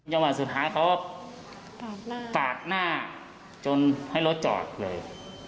ยาวหวัดสุดท้ายครบปากหน้าจนให้รถจอดเลย